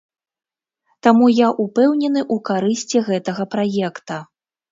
Таму я ўпэўнены ў карысці гэтага праекта.